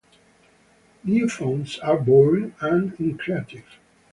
New phones are boring and uncreative